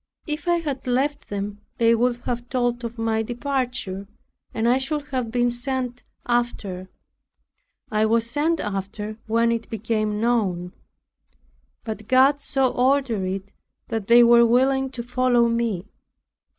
If I had left them, they would have told of my departure; and I should have been sent after. I was when it became known. But God so ordered it that they were willing to follow me.